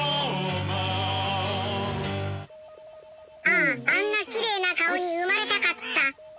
あああんなきれいな顔に生まれたかった。